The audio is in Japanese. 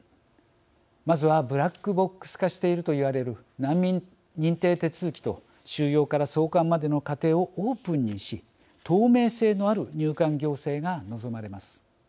まずはブラックボックス化していると言われる難民認定手続きと収容から送還までの過程をオープンにし透明性のある入管行政が望まれます。